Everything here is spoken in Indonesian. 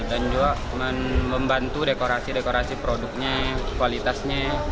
dan juga membantu dekorasi dekorasi produknya kualitasnya